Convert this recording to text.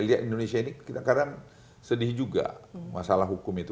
lihat indonesia ini kita kadang sedih juga masalah hukum itu